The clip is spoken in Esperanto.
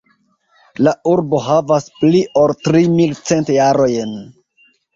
La urbo havas pli ol tri mil cent jarojn.